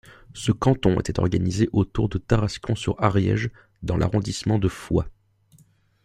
Ce canton était organisé autour de Tarascon-sur-Ariège dans l'arrondissement de Foix.